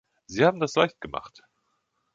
Sie haben das leicht gemacht!